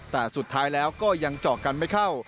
แต่สุดท้ายแล้วก็ยังเจาะกันไม่เข้า